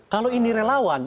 kalau ini relawan